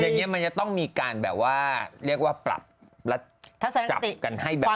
อย่างนี้มันจะต้องมีการแบบว่าเรียกว่าปรับและจับกันให้แบบนี้